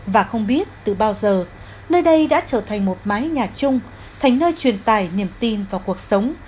và không biết từ bao giờ nơi đây đã trở thành một mái nhà chung thành nơi truyền tải niềm tin vào cuộc sống